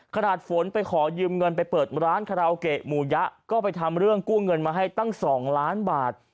ขนาดฝนไปขอยืมเงินไปเปิดร้านหมู่ยะก็ไปทำเรื่องกู้เงินมาให้ตั้งสองล้านบาท